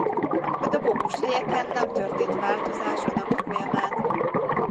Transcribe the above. A dobogós helyeken nem történt változás a nap folyamán.